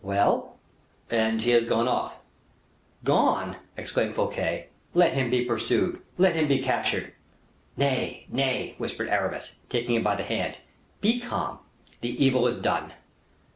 "Well?" "And he has gone off." "Gone!" exclaimed Fouquet. "Let him be pursued, let him be captured." "Nay, nay," whispered Aramis, taking him by the hand, "be calm, the evil is done."